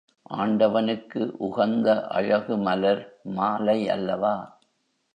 ஆண்டவனுக்கு உகந்த அழகு மலர் மாலை அல்லவா?